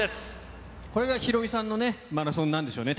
これがヒロミさんのね、マラソンなんでしょうね。